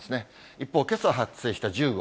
一方、けさ発生した１０号。